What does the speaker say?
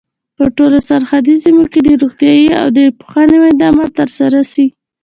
په ټولو سرحدي سیمو کي دي روغتیايي او د پوهني خدمات تر سره سي.